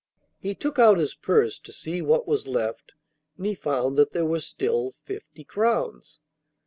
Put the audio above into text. He took out his purse to see what was left, and he found that there were still fifty crowns.